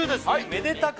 めでたく